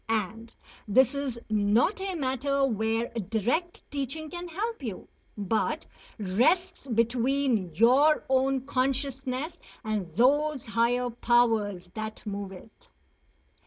And this is not a matter where direct teaching can help you, but rests between your own consciousness and those higher powers that move it.